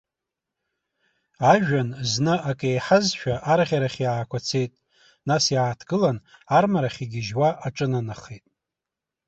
Ажәҩан, зны акеиҳазшәа арӷьарахь иаақәацеит, нас иааҭгылан армарахь игьежьуа аҿынанахеит.